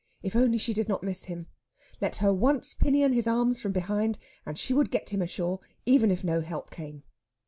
If only she did not miss him! Let her once pinion his arms from behind, and she would get him ashore even if no help came.